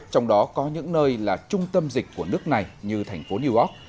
trong đó có những nơi là trung tâm dịch của nước này như thành phố new york